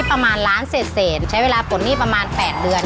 ร้านเสร็จใช้เวลาผลหนี้ประมาณ๘เดือน